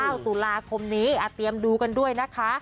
ตุลาคมนี้เตรียมดูกันด้วยนะคะ